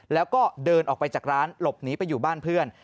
แล้วก็เดินออกไปจากร้านหลบหนีไปอยู่บ้านเพื่อน